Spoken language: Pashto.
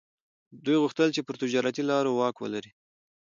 دوی غوښتل چي پر تجارتي لارو واک ولري.